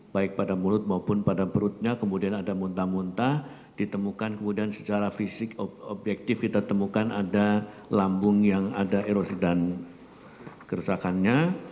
baik pada mulut maupun pada perutnya kemudian ada muntah muntah ditemukan kemudian secara fisik objektif kita temukan ada lambung yang ada erosidan kerusakannya